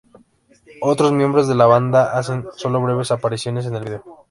Otros miembros de la banda hacen solo breves apariciones en el video.